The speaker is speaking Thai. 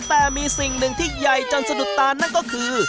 แต่มีสิ่งหนึ่งที่ใหญ่จนสะดุดตานั่นก็คือ